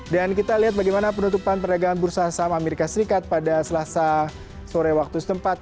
dan kita lihat bagaimana penutupan perdagangan bursa sama amerika serikat pada selasa sore waktu setempat